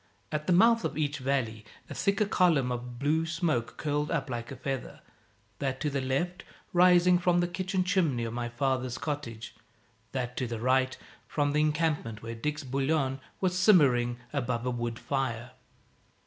At the mouth of each valley a thicker column of blue smoke curled up like a feather that to the left rising from the kitchen chimney of my father's cottage, that to the right from the encampment where Dick's bouillon was simmering above a wood fire.